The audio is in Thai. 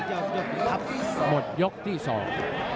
หมดยกที่สอง